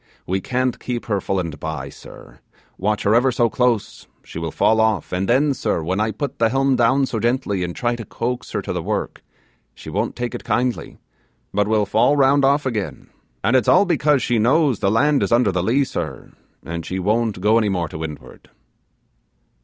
We can't keep her full and bye, sir; watch her ever so close, she will fall off and then, sir, when I put the helm down so gently, and try like to coax her to the work, she won't take it kindly, but will fall round off again; and it's all because she knows the land is under the lee, sir, and she won't go any more to windward.